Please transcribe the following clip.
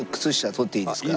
あっいいですか？